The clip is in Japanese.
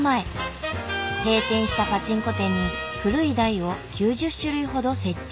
閉店したパチンコ店に古い台を９０種類ほど設置。